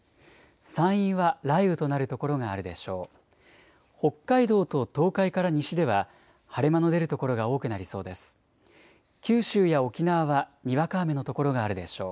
山陰は雷雨となる所があるでしょう。